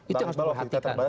itu yang harus diperhatikan